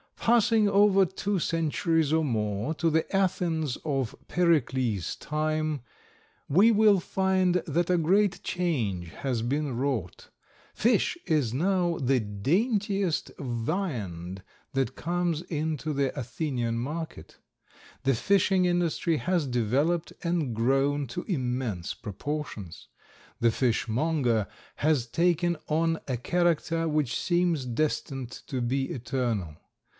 Passing over two centuries or more to the Athens of Pericles' time, we will find that a great change has been wrought. Fish is now the daintiest viand that comes into the Athenian market. The fishing industry has developed and grown to immense proportions. The fishmonger has taken on a character which seems destined to be eternal.